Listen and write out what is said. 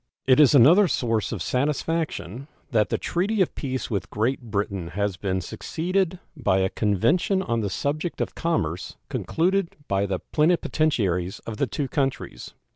It is another source of satisfaction that the treaty of peace with Great Britain has been succeeded by a convention on the subject of commerce concluded by the plenipotentiaries of the two countries.